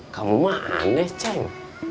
kamu mah aneh ceng